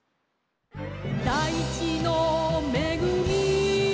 「だいちのめぐみ」